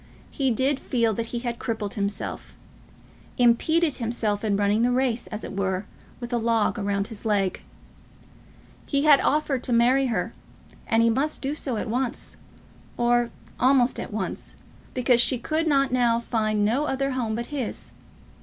He did feel that he had crippled himself, impeded himself in running the race, as it were, with a log round his leg. He had offered to marry her, and he must do so at once, or almost at once, because she could now find no other home but his.